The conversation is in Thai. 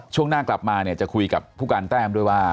ช่วงหน้ากลับมาเนี่ยจะคุยกับผู้การแต้มด้วยว่า